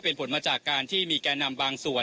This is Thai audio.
เป็นผลมาจากการที่มีแก่นำบางส่วน